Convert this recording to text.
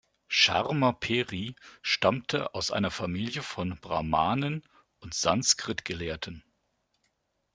Sharma Peri stammte aus einer Familie von Brahmanen und Sanskrit-Gelehrten.